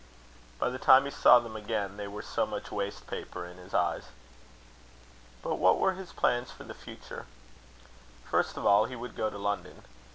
By the time he saw them again, they were so much waste paper in his eyes. But what were his plans for the future? First of all, he would go to London.